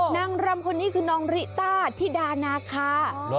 นางรำคนนี้คือน้องริต้าธิดานาคา